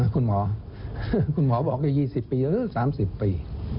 คุณหมอบอกอย่าง๒๐ปีหรือ๓๐ปี